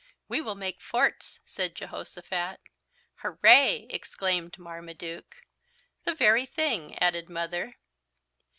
"We will make forts," said Jehosophat. "Hooray!" exclaimed Marmaduke. "The very thing!" added Mother.